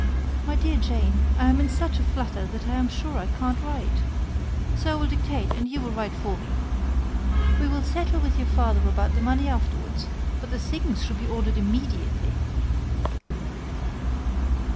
My dear Jane, I am in such a flutter, that I am sure I can't write; so I will dictate, and you write for me. We will settle with your father about the money afterwards; but the things should be ordered immediately."